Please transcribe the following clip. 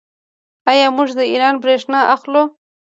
آیا موږ له ایران بریښنا اخلو؟